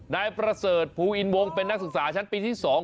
นายประเสริฐภูอินวงเป็นนักศึกษาชั้นปีที่๒